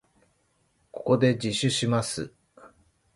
ここで自首します。